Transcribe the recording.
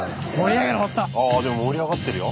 ああでも盛り上がってるよ。